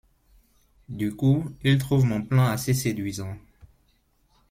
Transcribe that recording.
Du coup, il trouve mon plan assez séduisant.